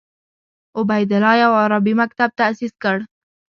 عبیدالله یو عربي مکتب تاسیس کړ.